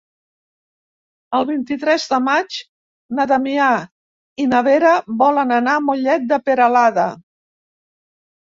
El vint-i-tres de maig na Damià i na Vera volen anar a Mollet de Peralada.